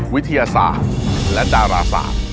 วิทยาศาสตร์และดาราศาสตร์